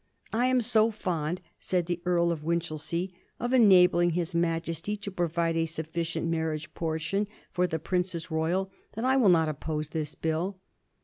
" I am so fond," said the Earl of Winchelsea, "of enabling his Majesty to provide a sufficient marriage portion for the Princess Royal that I will not oppose this Bill."